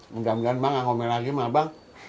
mudah mudahan emak gak ngomong lagi sama abang